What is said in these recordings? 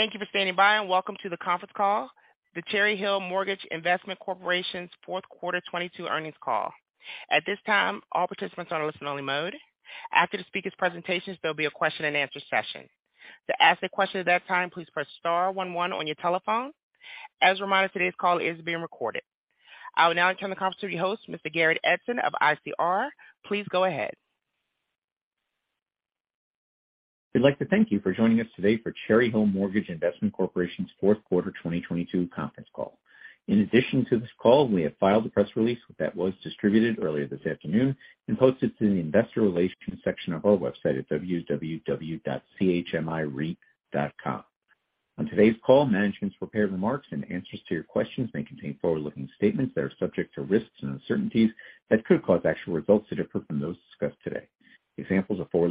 Thank you for standing by, and welcome to the conference call, the Cherry Hill Mortgage Investment Corporation's fourth quarter 2022 earnings call. At this time, all participants are in listen only mode. After the speakers' presentations, there'll be a question and answer session. To ask a question at that time, please press star one one on your telephone. As a reminder, today's call is being recorded. I will now turn the conference to your host, Mr. Garrett Edson of ICR. Please go ahead. We'd like to thank you for joining us today for Cherry Hill Mortgage Investment Corporation's fourth quarter 2022 conference call. In addition to this call, we have filed a press release that was distributed earlier this afternoon and posted to the investor relations section of our website at www.chmireit.com. On today's call, management's prepared remarks and answers to your questions may contain forward-looking statements that are subject to risks and uncertainties that could cause actual results to differ from those discussed today.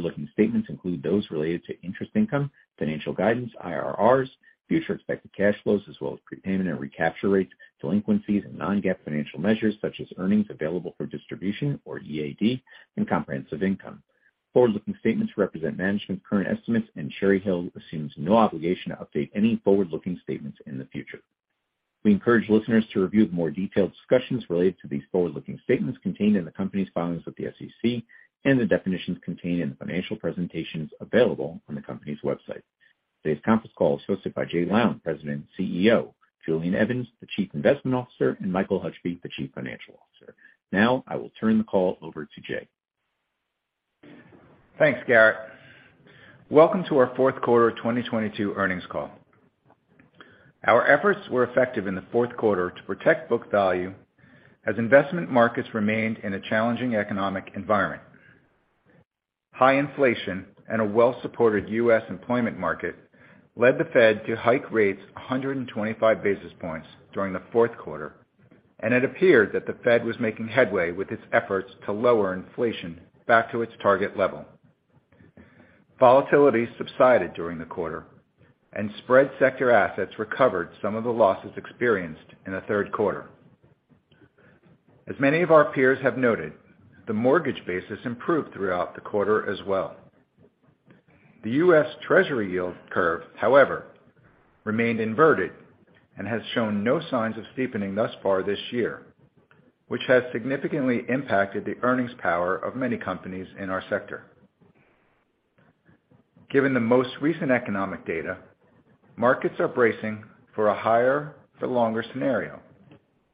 Examples of forward-looking statements include those related to interest income, financial guidance, IRRs, future expected cash flows, as well as prepayment and recapture rates, delinquencies and non-GAAP financial measures such as earnings available for distribution, or EAD, and comprehensive income. Forward-looking statements represent management's current estimates, and Cherry Hill assumes no obligation to update any forward-looking statements in the future. We encourage listeners to review more detailed discussions related to these forward-looking statements contained in the company's filings with the SEC and the definitions contained in the financial presentations available on the company's website. Today's conference call is hosted by Jay Lown, President and CEO, Julian Evans, the Chief Investment Officer, and Michael Hutchby, the Chief Financial Officer. I will turn the call over to Jay. Thanks, Garrett. Welcome to our fourth quarter of 2022 earnings call. Our efforts were effective in the fourth quarter to protect book value as investment markets remained in a challenging economic environment. High inflation and a well-supported U.S. employment market led the Fed to hike rates 125 basis points during the fourth quarter. It appeared that the Fed was making headway with its efforts to lower inflation back to its target level. Volatility subsided during the quarter. Spread sector assets recovered some of the losses experienced in the third quarter. As many of our peers have noted, the mortgage basis improved throughout the quarter as well. The U.S. Treasury yield curve, however, remained inverted and has shown no signs of steepening thus far this year, which has significantly impacted the earnings power of many companies in our sector. Given the most recent economic data, markets are bracing for a higher for longer scenario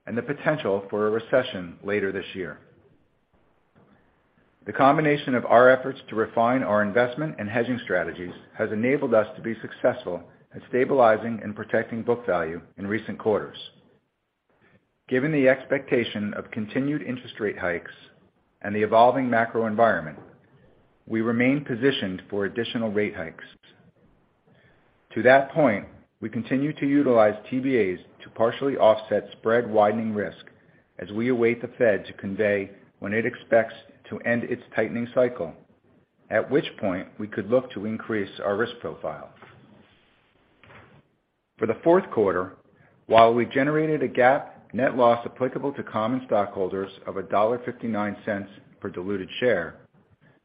and the potential for a recession later this year. The combination of our efforts to refine our investment and hedging strategies has enabled us to be successful at stabilizing and protecting book value in recent quarters. Given the expectation of continued interest rate hikes and the evolving macro environment, we remain positioned for additional rate hikes. To that point, we continue to utilize TBAs to partially offset spread widening risk as we await the Fed to convey when it expects to end its tightening cycle, at which point we could look to increase our risk profile. For the fourth quarter, while we generated a GAAP net loss applicable to common stockholders of $1.59 per diluted share,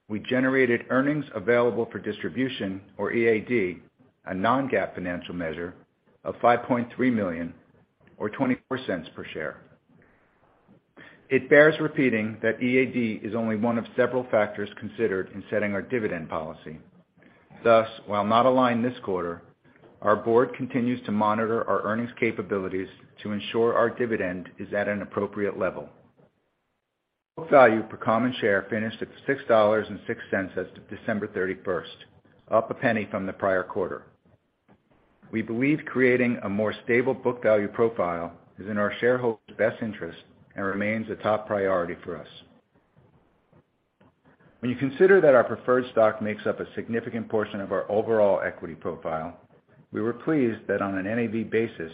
we generated earnings available for distribution or EAD, a non-GAAP financial measure of $5.3 million or $0.24 per share. It bears repeating that EAD is only one of several factors considered in setting our dividend policy. While not aligned this quarter, our board continues to monitor our earnings capabilities to ensure our dividend is at an appropriate level. Book value per common share finished at $6.06 as of December 31st, up $0.01 from the prior quarter. We believe creating a more stable book value profile is in our shareholders' best interest and remains a top priority for us. You consider that our preferred stock makes up a significant portion of our overall equity profile, we were pleased that on an NAV basis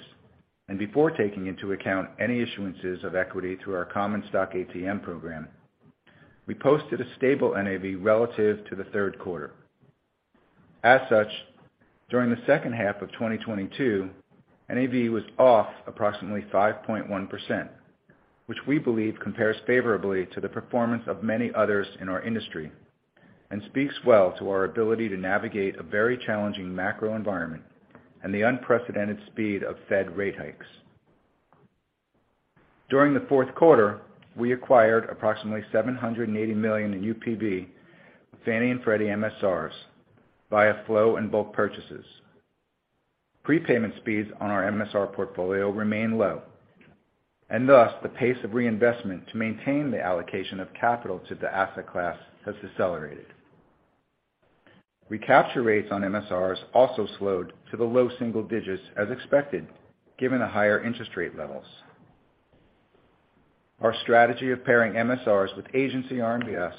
and before taking into account any issuances of equity through our common stock ATM program, we posted a stable NAV relative to the third quarter. As such, during the second half of 2022, NAV was off approximately 5.1%, which we believe compares favorably to the performance of many others in our industry and speaks well to our ability to navigate a very challenging macro environment and the unprecedented speed of Fed rate hikes. During the fourth quarter, we acquired approximately 780 million UPB, Fannie and Freddie MSRs via flow and bulk purchases. Thus, the pace of reinvestment to maintain the allocation of capital to the asset class has decelerated. Recapture rates on MSRs also slowed to the low single digits as expected, given the higher interest rate levels. Our strategy of pairing MSRs with agency RMBS,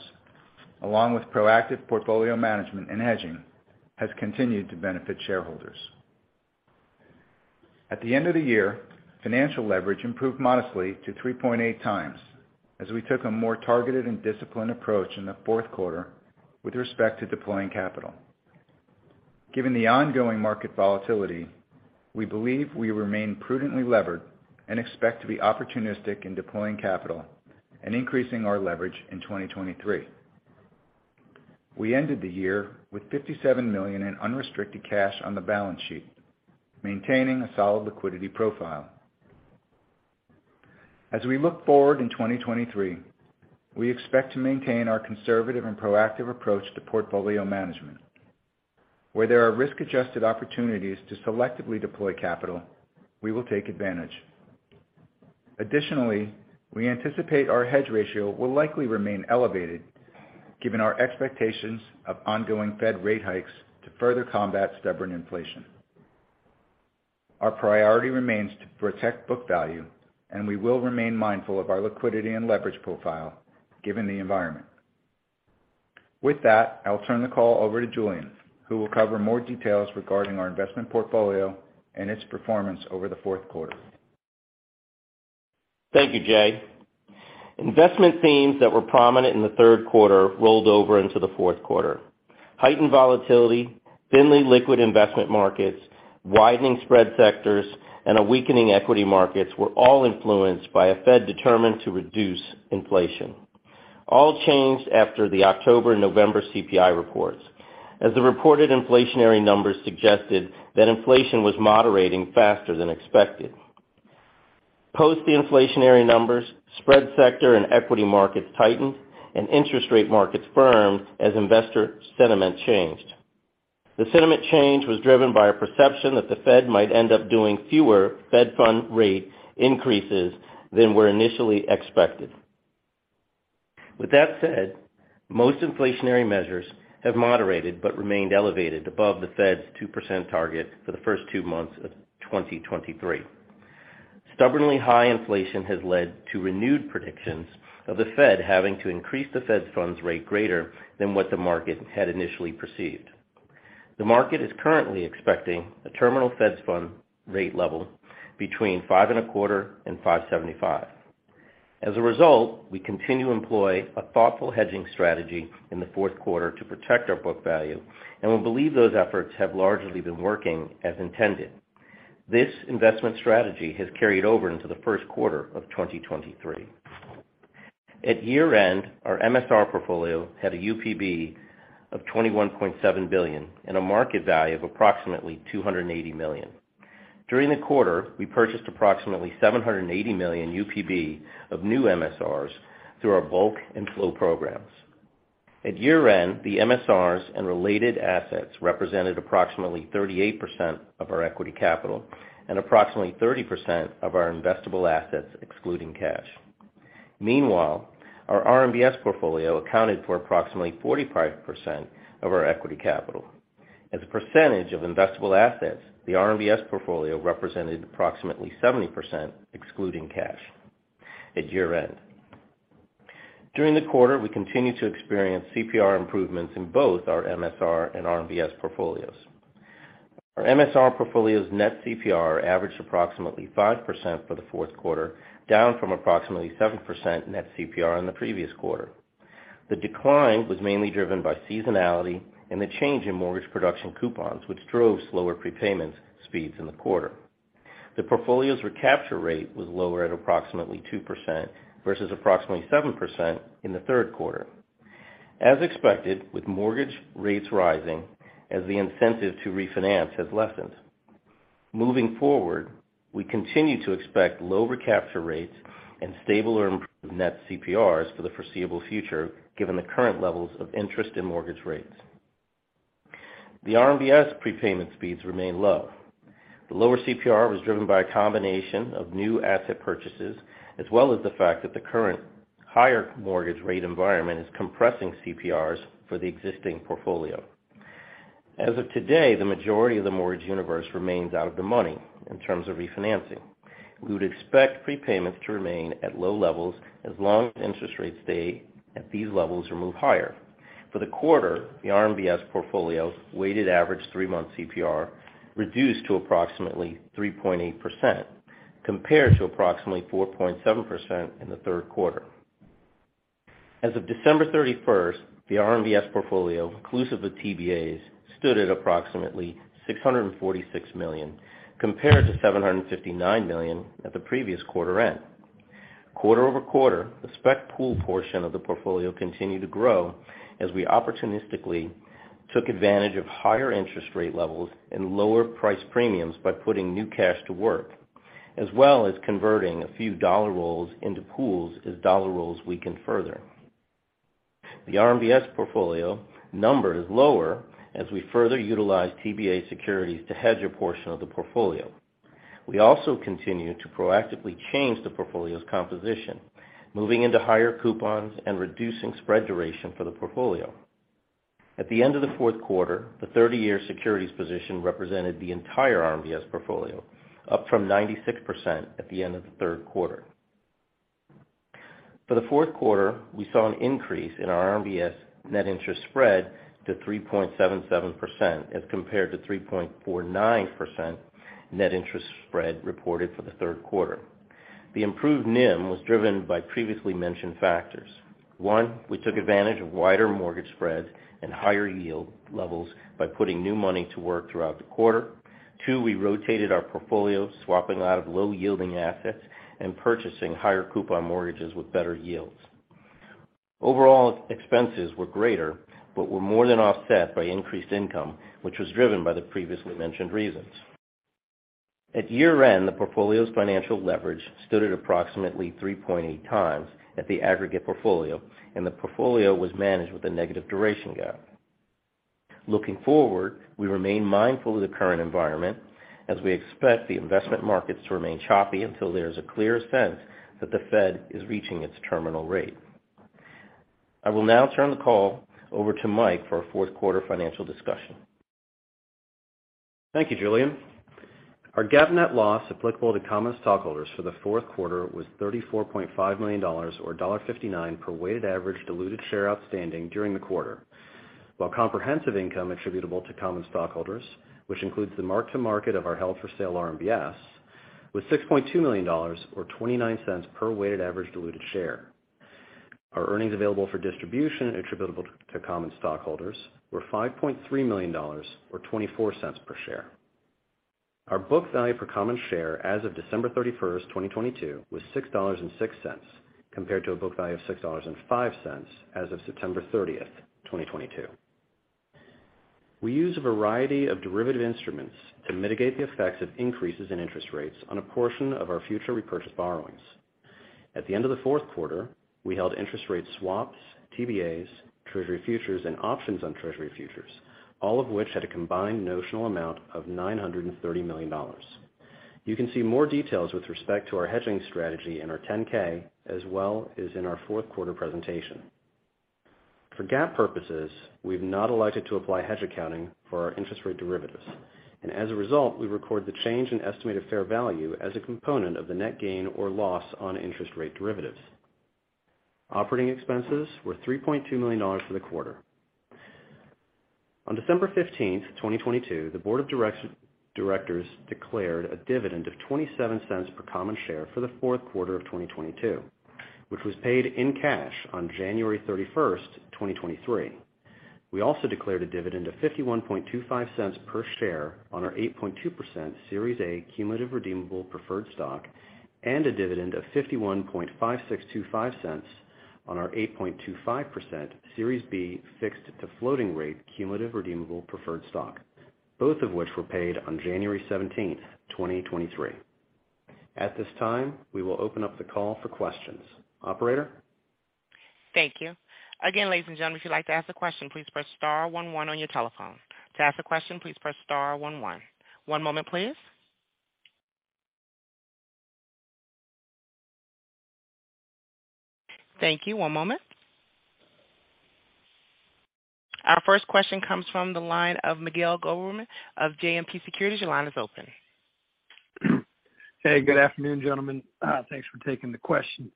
along with proactive portfolio management and hedging, has continued to benefit shareholders. At the end of the year, financial leverage improved modestly to 3.8x as we took a more targeted and disciplined approach in the fourth quarter with respect to deploying capital. Given the ongoing market volatility, we believe we remain prudently levered and expect to be opportunistic in deploying capital and increasing our leverage in 2023. We ended the year with $57 million in unrestricted cash on the balance sheet, maintaining a solid liquidity profile. As we look forward in 2023, we expect to maintain our conservative and proactive approach to portfolio management. Where there are risk-adjusted opportunities to selectively deploy capital, we will take advantage. We anticipate our hedge ratio will likely remain elevated given our expectations of ongoing Fed rate hikes to further combat stubborn inflation. Our priority remains to protect book value. We will remain mindful of our liquidity and leverage profile given the environment. With that, I'll turn the call over to Julian, who will cover more details regarding our investment portfolio and its performance over the fourth quarter. Thank you, Jay. Investment themes that were prominent in the third quarter rolled over into the fourth quarter. Heightened volatility, thinly liquid investment markets, widening spread sectors, and a weakening equity markets were all influenced by a Fed determined to reduce inflation. All changed after the October-November CPI reports, as the reported inflationary numbers suggested that inflation was moderating faster than expected. Post the inflationary numbers, spread sector and equity markets tightened and interest rate markets firmed as investor sentiment changed. The sentiment change was driven by a perception that the Fed might end up doing fewer Fed Funds rate increases than were initially expected. With that said, most inflationary measures have moderated but remained elevated above the Fed's 2% target for the first two months of 2023. Stubbornly high inflation has led to renewed predictions of the Fed having to increase the Fed Fund rate greater than what the market had initially perceived. The market is currently expecting a terminal Fed Fund rate level between 5.25% and 5.75%. We continue to employ a thoughtful hedging strategy in the fourth quarter to protect our book value, and we believe those efforts have largely been working as intended. This investment strategy has carried over into the first quarter of 2023. At year-end, our MSR portfolio had a UPB of $21.7 billion and a market value of approximately $280 million. During the quarter, we purchased approximately $780 million UPB of new MSRs through our bulk and flow programs. At year-end, the MSRs and related assets represented approximately 38% of our equity capital and approximately 30% of our investable assets, excluding cash. Our RMBS portfolio accounted for approximately 45% of our equity capital. As a percentage of investable assets, the RMBS portfolio represented approximately 70%, excluding cash at year-end. During the quarter, we continued to experience CPR improvements in both our MSR and RMBS portfolios. Our MSR portfolio's net CPR averaged approximately 5% for the 4th quarter, down from approximately 7% net CPR in the previous quarter. The decline was mainly driven by seasonality and the change in mortgage production coupons, which drove slower prepayments speeds in the quarter. The portfolio's recapture rate was lower at approximately 2% versus approximately 7% in the third quarter. As expected, with mortgage rates rising as the incentive to refinance has lessened. Moving forward, we continue to expect low recapture rates and stable or improved net CPRs for the foreseeable future, given the current levels of interest in mortgage rates. The RMBS prepayment speeds remain low. The lower CPR was driven by a combination of new asset purchases, as well as the fact that the current higher mortgage rate environment is compressing CPRs for the existing portfolio. As of today, the majority of the mortgage universe remains out of the money in terms of refinancing. We would expect prepayments to remain at low levels as long as interest rates stay at these levels or move higher. For the quarter, the RMBS portfolio's weighted average three-month CPR reduced to approximately 3.8%, compared to approximately 4.7% in the third quarter. As of December 31st, the RMBS portfolio, inclusive of TBAs, stood at approximately $646 million, compared to $759 million at the previous quarter end. Quarter-over-quarter, the spec pool portion of the portfolio continued to grow as we opportunistically took advantage of higher interest rate levels and lower price premiums by putting new cash to work, as well as converting a few dollar rolls into pools as dollar rolls weakened further. The RMBS portfolio number is lower as we further utilize TBA securities to hedge a portion of the portfolio. We also continue to proactively change the portfolio's composition, moving into higher coupons and reducing spread duration for the portfolio. At the end of the fourth quarter, the 30-year securities position represented the entire RMBS portfolio, up from 96% at the end of the third quarter. For the fourth quarter, we saw an increase in our RMBS net interest spread to 3.77% as compared to 3.49% net interest spread reported for the third quarter. The improved NIM was driven by previously mentioned factors. One, we took advantage of wider mortgage spreads and higher yield levels by putting new money to work throughout the quarter. Two, we rotated our portfolio, swapping out of low-yielding assets and purchasing higher coupon mortgages with better yields. Overall, expenses were greater, but were more than offset by increased income, which was driven by the previously mentioned reasons. At year-end, the portfolio's financial leverage stood at approximately 3.8x at the aggregate portfolio, and the portfolio was managed with a negative duration gap. Looking forward, we remain mindful of the current environment as we expect the investment markets to remain choppy until there's a clear sense that the Fed is reaching its terminal rate. I will now turn the call over to Mike for our fourth quarter financial discussion. Thank you, Julian. Our GAAP net loss applicable to common stockholders for the fourth quarter was $34.5 million, or $1.59 per weighted average diluted share outstanding during the quarter. While comprehensive income attributable to common stockholders, which includes the mark-to-market of our held-for-sale RMBS, was $6.2 million or $0.29 per weighted average diluted share. Our earnings available for distribution attributable to common stockholders were $5.3 million or $0.24 per share. Our book value per common share as of December 31, 2022, was $6.06, compared to a book value of $6.05 as of September 30, 2022. We use a variety of derivative instruments to mitigate the effects of increases in interest rates on a portion of our future repurchase borrowings. At the end of the fourth quarter, we held interest rate swaps, TBAs, Treasury futures, and options on Treasury futures, all of which had a combined notional amount of $930 million. You can see more details with respect to our hedging strategy in our 10-K, as well as in our fourth quarter presentation. For GAAP purposes, we've not elected to apply hedge accounting for our interest rate derivatives. As a result, we record the change in estimated fair value as a component of the net gain or loss on interest rate derivatives. Operating expenses were $3.2 million for the quarter. On December 15th, 2022, the board of directors declared a dividend of $0.27 per common share for the fourth quarter of 2022, which was paid in cash on January 31st, 2023. We also declared a dividend of $0.5125 per share on our 8.20% Series A Cumulative Redeemable Preferred Stock, and a dividend of $0.515625 on our 8.250% Series B Fixed-to-Floating Rate Cumulative Redeemable Preferred Stock, both of which were paid on January 17, 2023. At this time, we will open up the call for questions. Operator? Thank you. Again, ladies and gentlemen, if you'd like to ask a question, please press star one one on your telephone. To ask a question, please press star one one. One moment, please. Thank you. One moment. Our first question comes from the line of Mikhail Goberman of JMP Securities. Your line is open. Hey, good afternoon, gentlemen. Thanks for taking the question.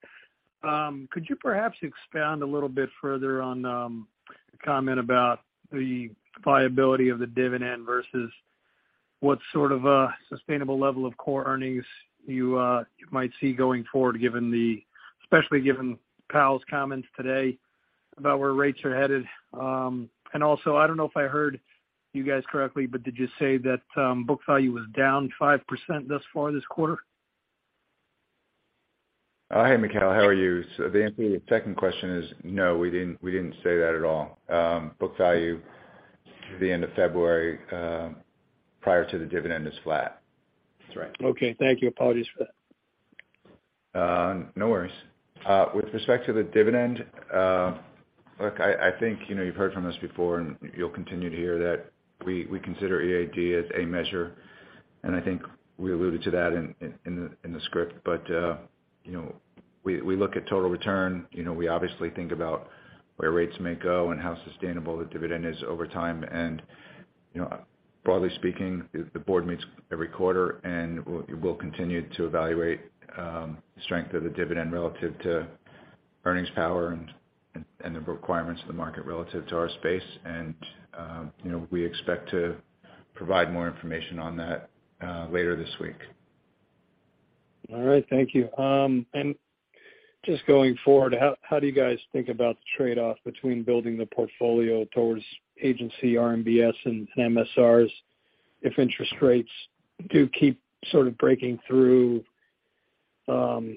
Could you perhaps expound a little bit further on the comment about the viability of the dividend versus what sort of a sustainable level of core earnings you might see going forward, especially given Powell's comments today about where rates are headed? Also, I don't know if I heard you guys correctly, but did you say that book value was down 5% thus far this quarter? Hey, Mikhail, how are you? The answer to your second question is no, we didn't say that at all. Book value through the end of February, prior to the dividend is flat. That's right. Okay. Thank you. Apologies for that. No worries. With respect to the dividend, look, I think, you know, you've heard from us before, and you'll continue to hear that we consider EAD as a measure, and I think we alluded to that in, in the, in the script. But, you know, we look at total return. You know, we obviously think about where rates may go and how sustainable the dividend is over time. And, you know, broadly speaking, the board meets every quarter, and we'll continue to evaluate strength of the dividend relative to earnings power and the requirements of the market relative to our space. And, you know, we expect to provide more information on that later this week. All right. Thank you. Just going forward, how do you guys think about the trade-off between building the portfolio towards agency RMBS and MSRs if interest rates do keep sort of breaking through, the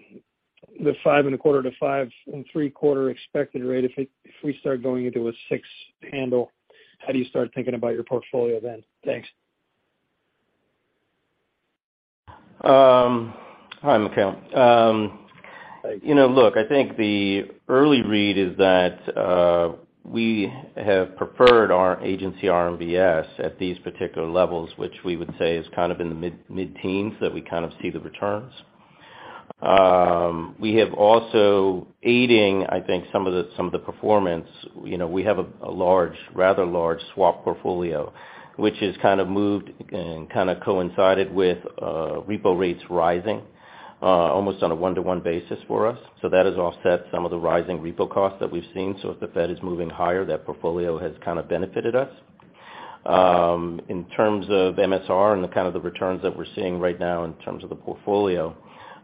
5.25%-5.75% expected rate? If we start going into a 6% handle, how do you start thinking about your portfolio then? Thanks. Hi, Mikhail. You know, look, I think the early read is that we have preferred our agency RMBS at these particular levels, which we would say is kind of in the mid-teens that we kind of see the returns. We have also aiding, I think, some of the performance. You know, we have a large, rather large swap portfolio, which has kind of moved and kind of coincided with repo rates rising almost on a one-to-one basis for us. That has offset some of the rising repo costs that we've seen. If the Fed is moving higher, that portfolio has kind of benefited us. In terms of MSR and the kind of the returns that we're seeing right now in terms of the portfolio,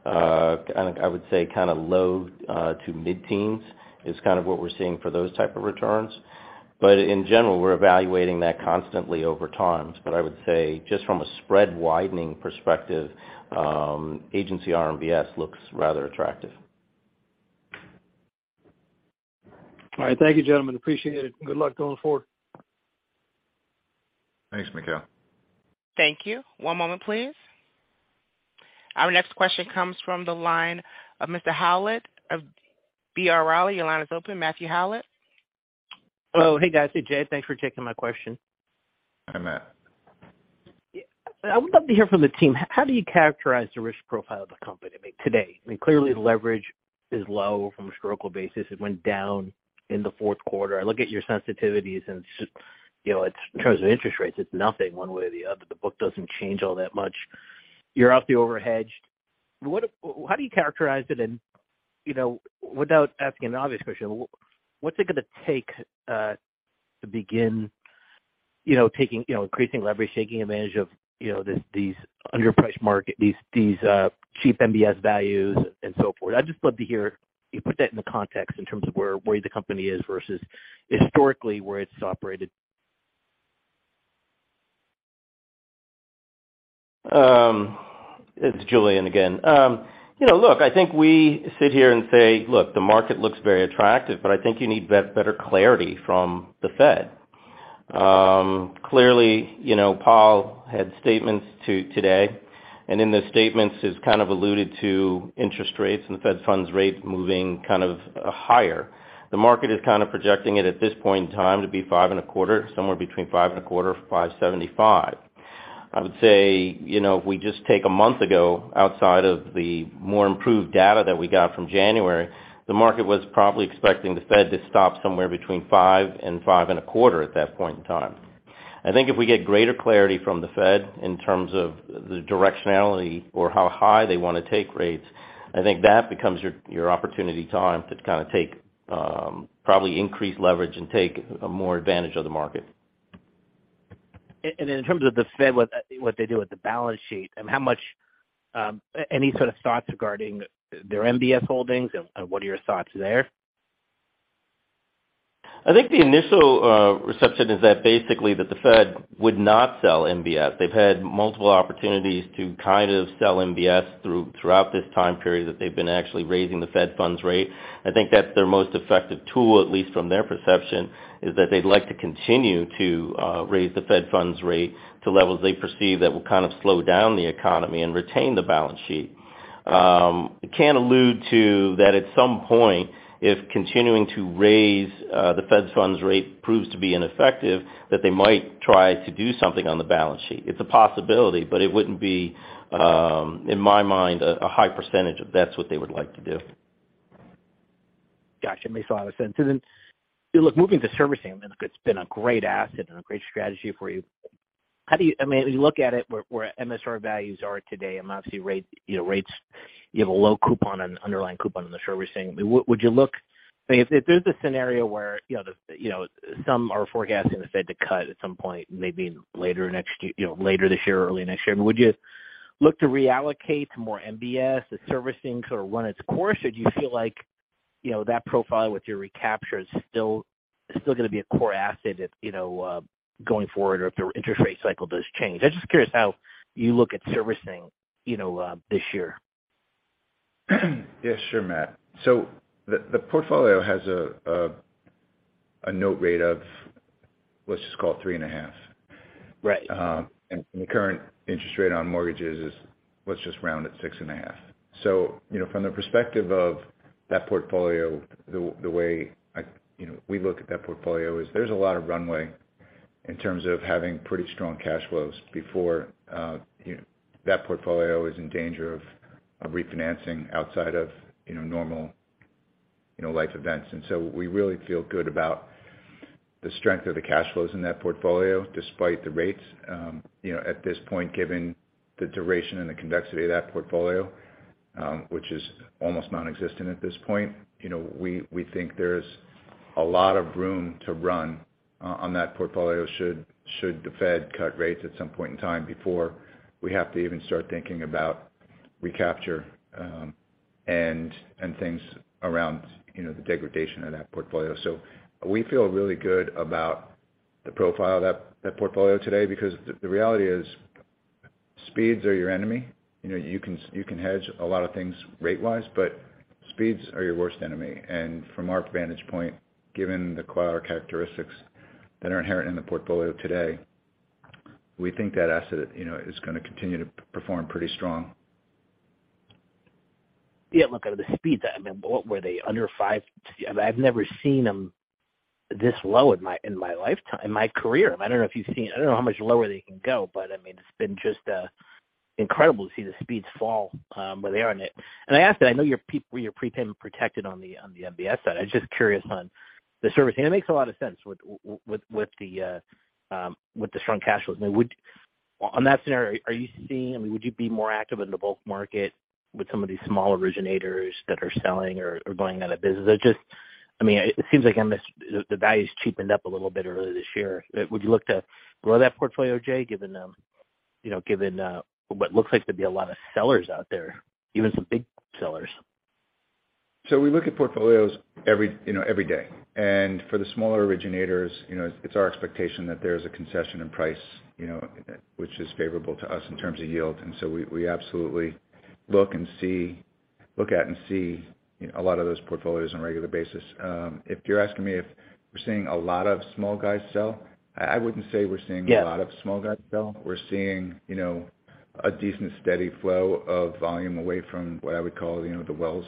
and I would say kind of low to mid-teens is kind of what we're seeing for those type of returns. In general, we're evaluating that constantly over time. I would say just from a spread widening perspective, agency RMBS looks rather attractive. All right. Thank you, gentlemen. Appreciate it. Good luck going forward. Thanks, Mikhail. Thank you. One moment, please. Our next question comes from the line of Mr. Howlett of B. Riley. Your line is open. Matthew Howlett. Hello. Hey, guys. Hey, Jay. Thanks for taking my question. Hi, Matt. I would love to hear from the team, how do you characterize the risk profile of the company, I mean, today? I mean, clearly the leverage is low from a historical basis. It went down in the fourth quarter. I look at your sensitivities and it's just, you know, it's in terms of interest rates, it's nothing one way or the other. The book doesn't change all that much. You're off the overhedged. How do you characterize it? You know, without asking an obvious question, what's it gonna take to begin, you know, taking, you know, increasing leverage, taking advantage of, you know, this, these underpriced market, these cheap MBS values and so forth? I'd just love to hear you put that into context in terms of where the company is versus historically where it's operated. It's Julian again. You know, look, I think we sit here and say, "Look, the market looks very attractive, but I think you need better clarity from the Fed." Clearly, you know, Powell had statements today. In the statements he's kind of alluded to interest rates and the Fed Funds rate moving kind of higher. The market is kind of projecting it at this point in time to be 5.25%, somewhere between 5.25%-5.75%. I would say, you know, if we just take a month ago, outside of the more improved data that we got from January, the market was probably expecting the Fed to stop somewhere between 5%-5.25% at that point in time. I think if we get greater clarity from the Fed in terms of the directionality or how high they wanna take rates, I think that becomes your opportunity time to kind of take, probably increase leverage and take more advantage of the market. In terms of the Fed, what they do with the balance sheet and how much, any sort of thoughts regarding their MBS holdings and what are your thoughts there? I think the initial reception is that basically that the Fed would not sell MBS. They've had multiple opportunities to kind of sell MBS throughout this time period that they've been actually raising the Fed Funds rate. I think that's their most effective tool, at least from their perception, is that they'd like to continue to raise the Fed Funds rate to levels they perceive that will kind of slow down the economy and retain the balance sheet. Can't allude to that at some point, if continuing to raise the Fed Funds rate proves to be ineffective, that they might try to do something on the balance sheet. It's a possibility, but it wouldn't be in my mind, a high percentage of that's what they would like to do. Gotcha. Makes a lot of sense. Look, moving to servicing, I mean, look, it's been a great asset and a great strategy for you. I mean, when you look at it, where MSR values are today and obviously rates, you have a low coupon, an underlying coupon on the servicing. I mean, would you look, if there's a scenario where, you know, the, you know, some are forecasting the Fed to cut at some point, maybe later next year, you know, later this year or early next year, would you look to reallocate to more MBS as servicing sort of run its course? Or do you feel like, you know, that profile with your recapture is still gonna be a core asset if, you know, going forward or if the interest rate cycle does change? I'm just curious how you look at servicing, you know, this year. Yeah, sure, Matt. The portfolio has a note rate of, let's just call it 3.5%. Right. The current interest rate on mortgages is, let's just round it, 6.5%. From the perspective of that portfolio, the way I, you know, we look at that portfolio is there's a lot of runway in terms of having pretty strong cash flows before, you know, that portfolio is in danger of refinancing outside of, you know, normal, you know, life events. We really feel good about the strength of the cash flows in that portfolio despite the rates. You know, at this point, given the duration and the convexity of that portfolio, which is almost nonexistent at this point, you know, we think there's a lot of room to run on that portfolio should the Fed cut rates at some point in time before we have to even start thinking about recapture, and things around, you know, the degradation of that portfolio. We feel really good about the profile of that portfolio today because the reality is speeds are your enemy. You know, you can, you can hedge a lot of things rate-wise, but speeds are your worst enemy. From our vantage point, given the characteristics that are inherent in the portfolio today, we think that asset, you know, is gonna continue to perform pretty strong. Yeah, look, out of the speeds, I mean, what were they? Under 5? I've never seen them this low in my, in my lifetime, in my career. I don't know if you've seen it. I don't know how much lower they can go, but I mean, it's been just incredible to see the speeds fall where they are. I ask that I know you're prepayment protected on the, on the MBS side. I was just curious on the servicing. It makes a lot of sense with, with the strong cash flows. I mean, on that scenario, are you seeing, I mean, would you be more active in the bulk market with some of these small originators that are selling or going out of business? I just, I mean, it seems like, I mean, the value's cheapened up a little bit earlier this year. Would you look to grow that portfolio, Jay, given, you know, given, what looks like to be a lot of sellers out there, even some big sellers? We look at portfolios every, you know, every day. For the smaller originators, you know, it's our expectation that there's a concession in price, you know, which is favorable to us in terms of yield. We absolutely look at and see, you know, a lot of those portfolios on a regular basis. If you're asking me if we're seeing a lot of small guys sell, I wouldn't say we're seeing a lot— Yeah. —of small guys sell. We're seeing, you know, a decent, steady flow of volume away from what I would call, you know, the Wells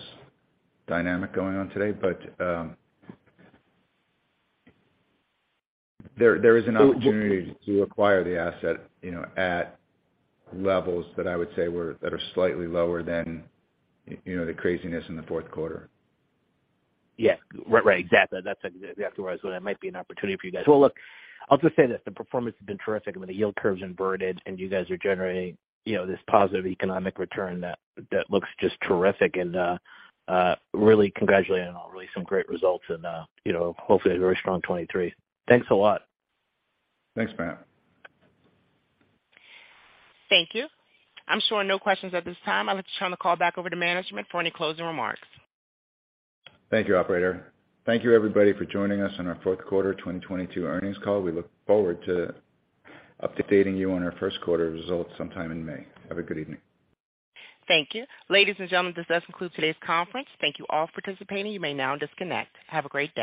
dynamic going on today. There is an opportunity to acquire the asset, you know, at levels that I would say were, that are slightly lower than, you know, the craziness in the fourth quarter. Yes. Right. Exactly. That's exactly where I was going. That might be an opportunity for you guys. Look, I'll just say this, the performance has been terrific. I mean, the yield curve's inverted, and you guys are generating, you know, this positive economic return that looks just terrific and really congratulating on really some great results and, you know, hopefully a very strong 2023. Thanks a lot. Thanks, Matt. Thank you. I'm showing no questions at this time. I'll just turn the call back over to management for any closing remarks. Thank you, operator. Thank you everybody for joining us on our fourth quarter 2022 earnings call. We look forward to updating you on our first quarter results sometime in May. Have a good evening. Thank you. Ladies and gentlemen, this does conclude today's conference. Thank you all for participating. You may now disconnect. Have a great day.